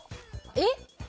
えっ？